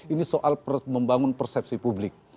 ini soal membangun persepsi publik